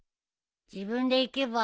自分で行けば？